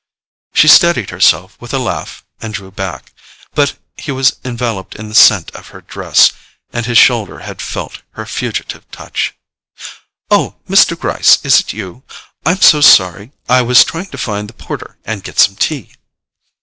She steadied herself with a laugh and drew back; but he was enveloped in the scent of her dress, and his shoulder had felt her fugitive touch. "Oh, Mr. Gryce, is it you? I'm so sorry—I was trying to find the porter and get some tea."